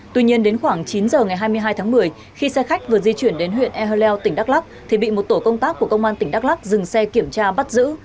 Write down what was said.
tuy nhiên đến khoảng chín giờ ngày hai mươi hai tháng một mươi khi xe khách vừa di chuyển đến huyện ehleu tỉnh đắk lắc thì bị một tổ công tác của công an tỉnh đắk lắc dừng xe kiểm tra bắt giữ